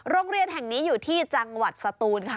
โรงเรียนแห่งนี้อยู่ที่จังหวัดสตูนค่ะ